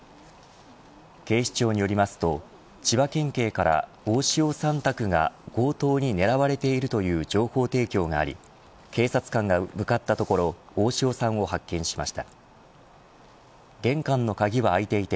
警視庁によりますと千葉県警から、大塩さん宅が強盗にねらわれているという情報提供があり警察官が向かったところ大塩さんを発見しました。